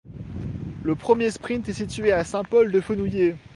Le premier sprint est situé à Saint-Paul-de-Fenouillet.